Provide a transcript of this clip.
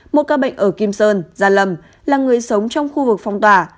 một ca bệnh ở kim sơn gia lâm là người sống trong khu vực phong tỏa